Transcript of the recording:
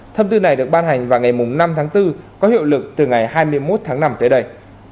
thông tư này được ban hành vào ngày năm tháng bốn có hiệu lực từ ngày hai mươi một tháng năm tới đây